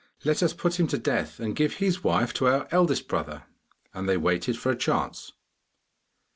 Let us put him to death and give his wife to our eldest brother!' And they waited for a chance.